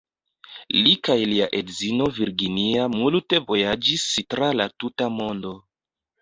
Li kaj lia edzino Virginia multe vojaĝis tra la tuta mondo.